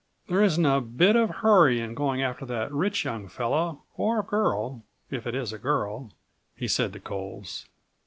"There isn't a bit of hurry in going after that rich young fellow or girl, if it is a girl," he said to Coles.